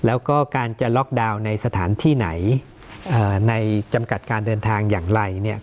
แล้วก็การจะล็อกดาวน์ในสถานที่ไหนในจำกัดการเดินทางอย่างไรเนี่ย